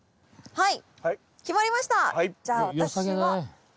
はい。